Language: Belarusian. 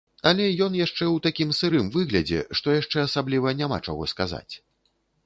Але ён яшчэ ў такім сырым выглядзе, што яшчэ асабліва няма чаго сказаць.